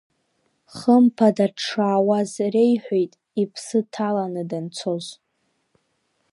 Хымԥада дшаауаз реиҳәеит иԥсы ҭаланы данцоз.